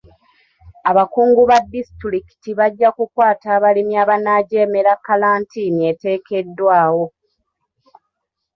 Abakungu ba disitulikiti bajja kukwata abalimi abanaajemera kkalantiini eteekeddwawo.